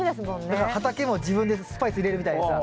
だから畑も自分でスパイス入れるみたいにさ。